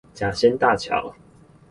甲仙大橋